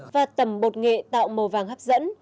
và tầm bột nghệ tạo màu vàng hấp dẫn